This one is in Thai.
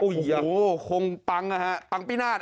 โอ้โฮคงปังฮะปังพินาศ